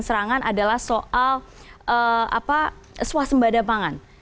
serangan adalah soal suah sembada pangan